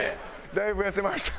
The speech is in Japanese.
だいぶ痩せました。